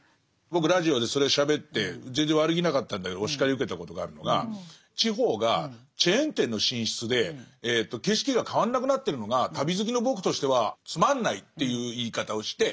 僕ラジオでそれをしゃべって全然悪気なかったんだけどお叱り受けたことがあるのが地方がチェーン店の進出で景色が変わんなくなってるのが旅好きの僕としてはつまんないっていう言い方をして。